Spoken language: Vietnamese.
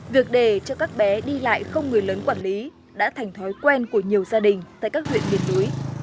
việc đề cho các bé đi lại không người lớn quản lý đã thành thói quen của nhiều gia đình tại các huyện miền núi